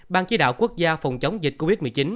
ban chỉ đạo quốc gia phòng chống dịch covid một mươi chín